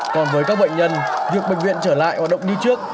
còn với các bệnh nhân việc bệnh viện trở lại hoạt động đi trước